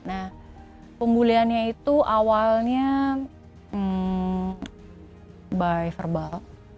nah pembuliannya itu awalnya by verbal